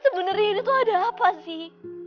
sebenernya ini tuh ada apa sih